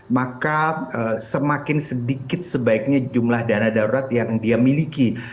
maka semakin sedikit sebaiknya jumlah dana darurat yang dia miliki